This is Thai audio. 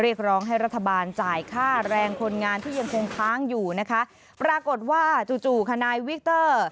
เรียกร้องให้รัฐบาลจ่ายค่าแรงคนงานที่ยังคงค้างอยู่นะคะปรากฏว่าจู่จู่ทนายวิกเตอร์